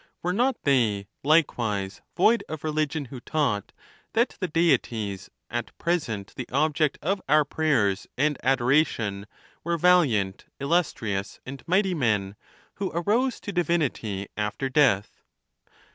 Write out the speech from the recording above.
Were not they likewise void of religion who taught that the Deities, at present the object of our prayers and adoration, were val iant, illustrious, and mighty men who arose to divinity after death